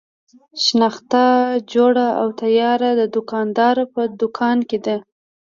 شنخته جوړه او تیاره د دوکاندار په دوکان کې ده.